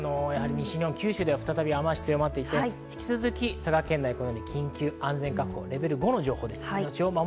九州では再び雨足強まっていて引き続き緊急安全確保レベル５の情報です。